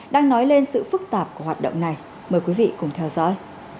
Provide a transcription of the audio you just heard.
đang nói lên sự phức tạp của hoạt động này mời quý vị cùng theo dõi